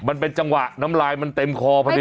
มันเป็นจังหวะน้ำลายมันเต็มคอพอดี